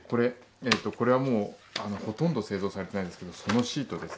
これはもうほとんど製造されてないんですけどソノシートですね。